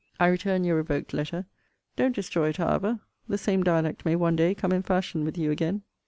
I return your revoked letter. Don't destroy it, however. The same dialect may one day come in fashion with you again.